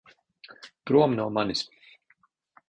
Prom no manis!